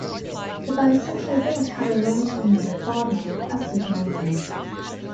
The bisexual Beck had a long-term male partner, as did Malina.